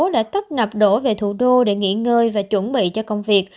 đã tấp nập đổ về thủ đô để nghỉ ngơi và chuẩn bị cho công việc